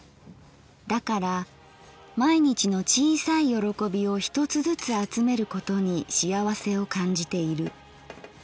だから毎日の小さい喜びを一つずつ集めることにしあわせを感じている。